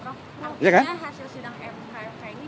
prof makanya hasil sindang mkrk ini